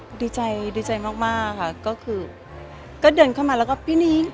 ก็ดีใจดีใจมากค่ะก็คือก็เดินเข้ามาแล้วก็พี่นิ้ง